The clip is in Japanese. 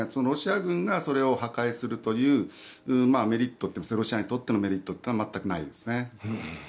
ロシア軍がそれを破壊するというメリットというかロシアにとってのメリットは全くないですね。